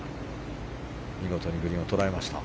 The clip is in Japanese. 見事にグリーンを捉えました。